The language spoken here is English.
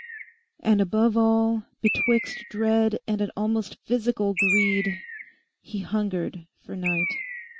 And above all, betwixt dread and an almost physical greed, he hungered for night.